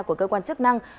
của cơ quan chức năng